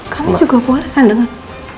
kami juga puarkan dengan